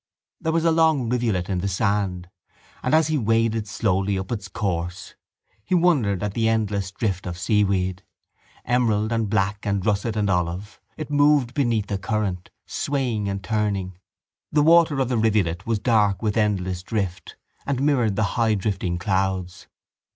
There was a long rivulet in the strand and, as he waded slowly up its course, he wondered at the endless drift of seaweed. Emerald and black and russet and olive, it moved beneath the current, swaying and turning. The water of the rivulet was dark with endless drift and mirrored the highdrifting clouds.